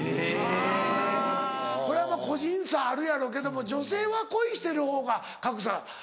あぁこれは個人差あるやろうけども女性は恋してるほうが賀来さん